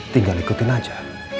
tinggal ikutin aja